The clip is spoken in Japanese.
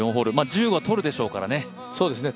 １０は取れるでしょうからね。